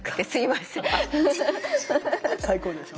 最高でしょ。